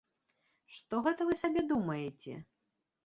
Што гэта вы сабе думаеце?